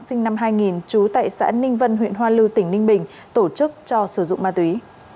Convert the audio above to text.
sinh năm hai nghìn trú tại xã ninh vân huyện hoa lư tỉnh ninh bình tổ chức cho sử dụng ma túy